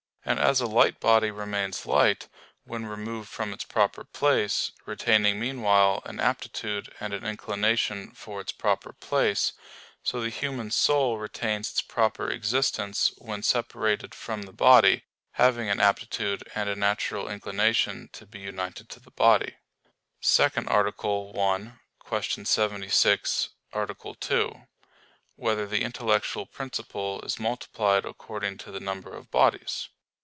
And as a light body remains light, when removed from its proper place, retaining meanwhile an aptitude and an inclination for its proper place; so the human soul retains its proper existence when separated from the body, having an aptitude and a natural inclination to be united to the body. _______________________ SECOND ARTICLE [I, Q. 76, Art. 2] Whether the Intellectual Principle Is Multiplied According to the Number of Bodies?